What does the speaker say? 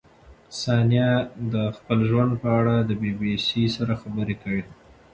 ثانیه د خپل ژوند په اړه د بي بي سي سره خبرې کړې.